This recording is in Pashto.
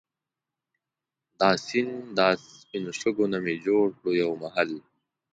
دا سیند دا سپينو شګو نه مي جوړ کړو يو محل